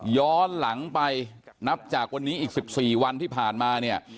ย้อนหลังไปนับจากวันนี้อีก๑๔วันที่ผ่านมาเนี่ย